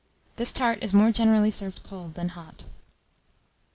This tart is more generally served cold than hot.